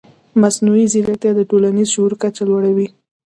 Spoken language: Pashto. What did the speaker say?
مصنوعي ځیرکتیا د ټولنیز شعور کچه لوړوي.